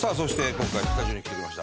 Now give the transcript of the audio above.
今回スタジオに来てくれました